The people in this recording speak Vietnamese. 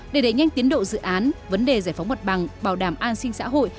để đẩy nhanh tiến độ dự án vấn đề giải phóng mặt bằng bảo đảm an sinh xã hội